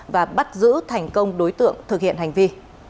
và bắt giữ thành công đối tượng thực hiện hành vi